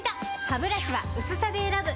ハブラシは薄さで選ぶ！